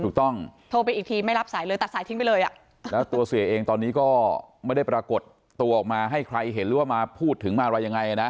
ถูกต้องโทรไปอีกทีไม่รับสายเลยตัดสายทิ้งไปเลยอ่ะแล้วตัวเสียเองตอนนี้ก็ไม่ได้ปรากฏตัวออกมาให้ใครเห็นหรือว่ามาพูดถึงมาอะไรยังไงนะ